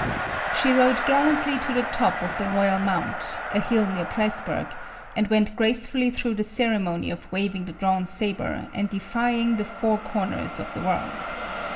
She rode gallantly to the top of the Koyal Mount, a hill near Presburg, and went gracefully through the ceremony of waving the drawn sabre and defying "the four corners of the world."